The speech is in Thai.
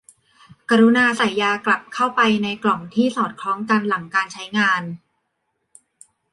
กรุณาใส่ยากลับเข้าไปในกล่องที่สอดคล้องกันหลังการใช้งาน